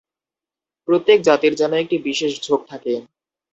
প্রত্যেক জাতির যেন একটি বিশেষ ঝোঁক থাকে।